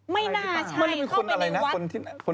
ไม่น่าใช่เขาเป็นในวัดคนอะไรนะคนที่